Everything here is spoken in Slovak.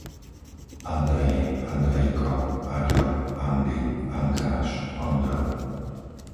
Andrej, Andrejko, Aďo, Andy, Andráš, Ondro